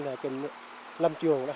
lâm trường đó lâm trường kiểm lâm